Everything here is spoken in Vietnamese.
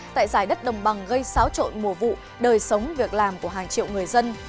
tại giải đất đồng bằng gây xáo trộn mùa vụ đời sống việc làm của hàng triệu người dân